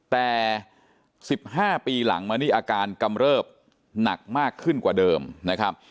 แต่๑๕ปีหลังมานี่อาการกำเริบหนักมากขึ้นกว่าเดิมนะครับ